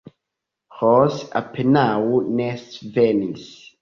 Ros apenaŭ ne svenis.